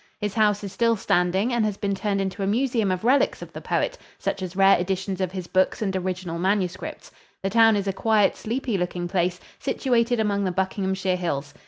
His house is still standing and has been turned into a museum of relics of the poet, such as rare editions of his books and original manuscripts. The town is a quiet, sleepy looking place, situated among the Buckinghamshire hills.